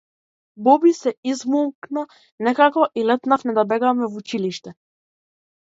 Боби се измолкна некако и летнавме да бегаме в училиште.